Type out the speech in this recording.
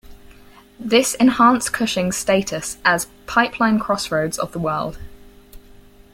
This enhanced Cushing's status as Pipeline Crossroads of the World.